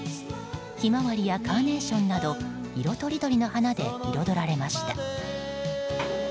ヒマワリやカーネーションなど色とりどりの花で彩られました。